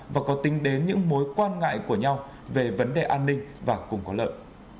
và có tính đến những mối quan ngại của nhau về vấn đề an ninh và cùng có lợi